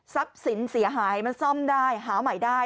สินเสียหายมันซ่อมได้หาใหม่ได้